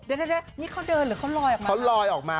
เดี๋ยวนี่เค้าเดินหรือเค้าลอยออกมา